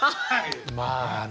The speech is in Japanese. まあね。